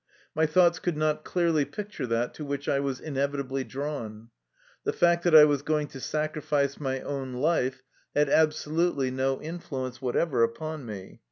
My thoughts could not clearly picture that to which I was in evitably drawn. The fact that I was going to sacrifice my own life had absolutely no influ ence whatever upon me.